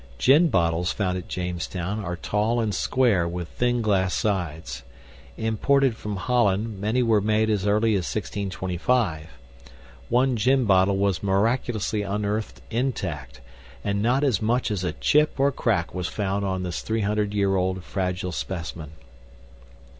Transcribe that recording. Gin bottles found at Jamestown are tall and square with thin glass sides. Imported from Holland, many were made as early as 1625. One gin bottle was miraculously unearthed intact, and not as much as a chip or crack was found on this 300 year old fragile specimen.